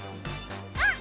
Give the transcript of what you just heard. うん。